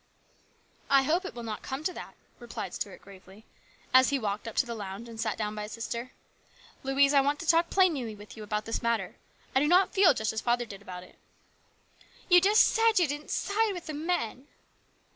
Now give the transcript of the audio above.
" I hope it will not come to that," replied Stuart gravely, as he walked up to the lounge and sat down by his sister. " Louise, I want to talk plainly with you about this matter. I do not feel just as father did about it." " You just said you didn't side with the men."